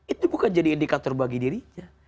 itu bukan jadi indikator bagi dirinya